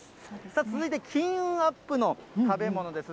さあ、続いて金運アップの食べ物です。